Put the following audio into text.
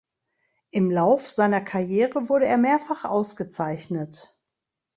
Im Lauf seiner Karriere wurde er mehrfach ausgezeichnet.